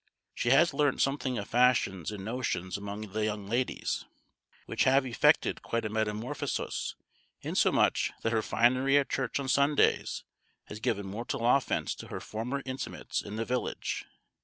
She has learnt something of fashions and notions among the young ladies, which have effected quite a metamorphosis; insomuch that her finery at church on Sundays has given mortal offence to her former intimates in the village.